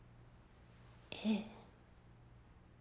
ええ。